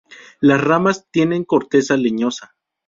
Las ramas tienen corteza leñosa.